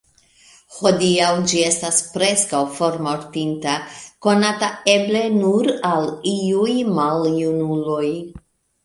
Hodiaŭ ĝi estas preskaŭ formortinta, konata eble nur al iuj maljunuloj.